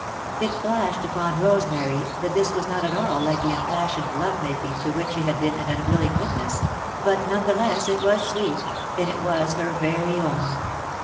It flashed upon Rosemary that this was not at all like the impassioned love making to which she had been an unwilling witness, but, none the less, it was sweet, and it was her very own.